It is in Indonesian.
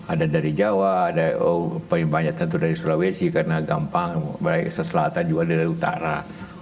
ada dari jawa ada paling banyak tentu dari sulawesi karena gampang malaysia selatan juga dari utara